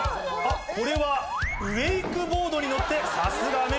これはウエイクボードに乗ってさすがアメリカ。